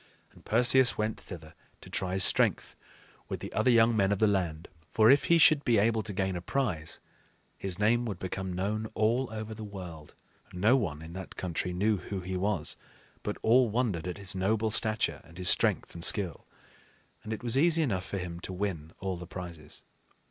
And Perseus went thither to try his strength with the other young men of the land; for if he should be able to gain a prize, his name would become known all over the world. No one in that country knew who he was, but all wondered at his noble stature and his strength and skill; and it was easy enough for him to win all the prizes.